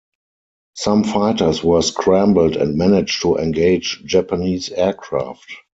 Some fighters were scrambled and managed to engage Japanese aircraft.